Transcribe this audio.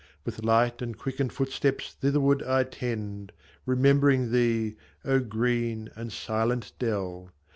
With light And quickened footsteps thitherward I tend, Remembering thee, O green and silent dell